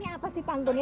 ini apa sih pantun